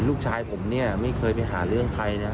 ลูกชายผมเนี่ยไม่เคยไปหาเรื่องใครนะ